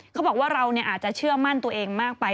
เขาบอกว่าเราอาจจะเชื่อมั่นตัวเองมากไป